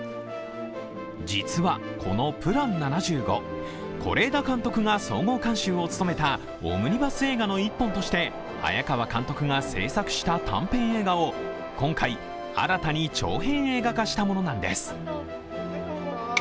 実はこの「ＰＬＡＮ７５」是枝監督が総合監修を務めたオムニバス映画の１本として早川監督が制作した短編映画を今回、新たに長編映画化したものなんです。